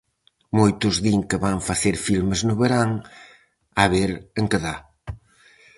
Moitos din que van facer filmes no verán, a ver en que dá.